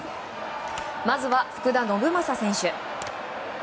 まずは福田永将選手。